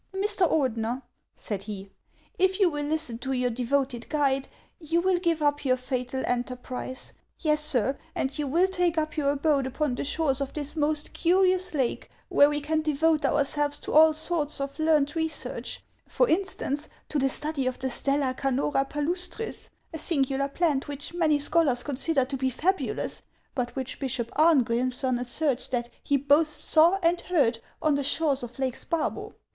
" Mr. Ordener," said he, " if you will listen to your de voted guide, you will give up your fatal enterprise ; yes, sir, and you will take up your abode upon the shores of this most curious lake, where we can devote ourselves to 212 HANS OF ICELAM). all sorts of learned research ; for instance, to the study of the stclla canora pulustris, — a singular plant, which many scholars consider to be fabulous, but which Bishop Arn grimmsson asserts that he both saw and heard on the shores of Lake Sparbo.